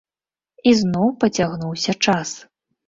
І зноў пацягнуўся час.